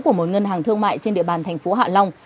của một ngân hàng thương mại trên địa bàn thành phố hạ long